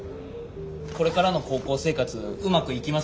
これからの高校生活うまくいきますようにって。